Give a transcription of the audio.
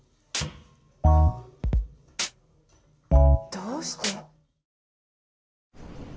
どうして？